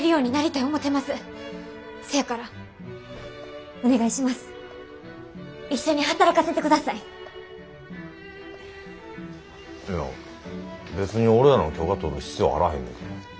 いや別に俺らの許可取る必要あらへんね。